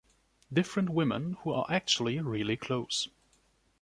Different women who are actually really close...